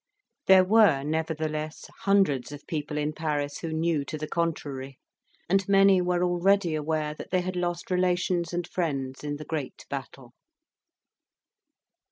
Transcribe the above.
There were, nevertheless, hundreds of people in Paris who knew to the contrary, and many were already aware that they had lost relations and friends in the great battle.